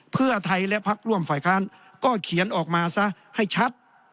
เพื่อไทยและพักร่วมฝ่ายค้านก็เขียนออกมาซะให้ชัด